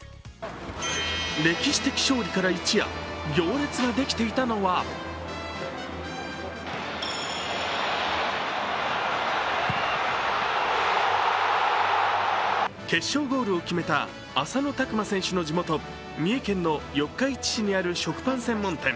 歴史的勝利から一夜、行列ができていたのは決勝ゴールを決めた浅野拓磨選手の地元、三重県の四日市市にあるこちらの食パン専門店。